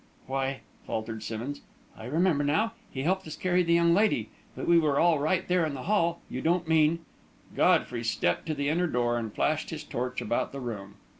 "Why," faltered Simmonds, "I remember now he helped us carry the young lady. But we were all right there in the hall you don't mean ..." Godfrey stepped to the inner door and flashed his torch about the room.